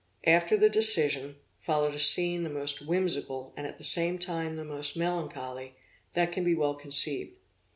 After the decision, followed a scene the most whimsical, and at the same time the most melancholy that can be well conceived.